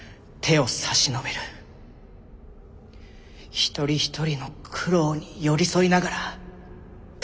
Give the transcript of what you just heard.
一人一人の苦労に寄り添いながら助ける。